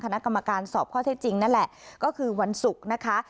คณะกรรมการสอบข้อเท็จจริงนั่นแหละก็คือวันศุกร์นะคะ